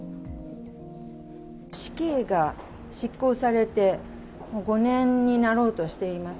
死刑が執行されて５年になろうとしています。